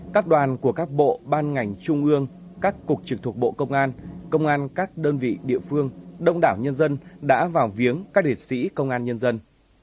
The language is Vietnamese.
các đoàn của các bộ ban ngành trung ương các cục trực thuộc bộ công an công an các đơn vị địa phương đông đảo nhân dân đã vào viếng các liệt sĩ công an nhân dân